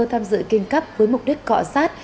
tham dự kinh cấp với mục đích cọ sát